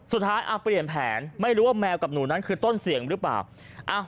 อ่าเปลี่ยนแผนไม่รู้ว่าแมวกับหนูนั้นคือต้นเสี่ยงหรือเปล่า